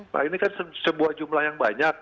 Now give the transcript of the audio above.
nah ini kan sebuah jumlah yang banyak